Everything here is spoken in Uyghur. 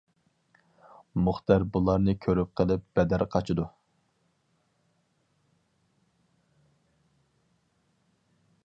مۇختەر بۇلارنى كۆرۈپ قىلىپ بەدەر قاچىدۇ.